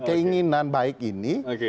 keinginan baik ini